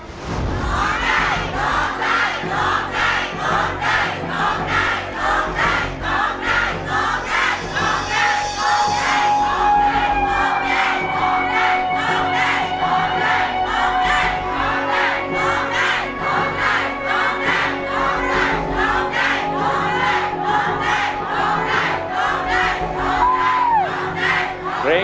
โทรไกรโทรไกร